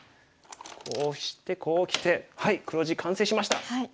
こうしてこうきてはい黒地完成しました。